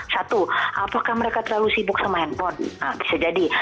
satu apakah mereka terlalu sibuk sama handphone bisa jadi